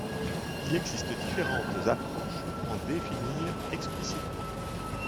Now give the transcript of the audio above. Il existe différentes approches pour en définir explicitement.